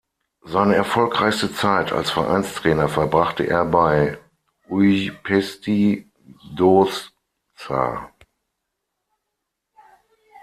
Seine erfolgreichste Zeit als Vereinstrainer verbrachte er bei Újpesti Dózsa.